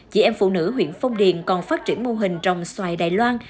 chị em phụ nữ huyện phong điền còn phát triển mô hình trồng xoài đài loan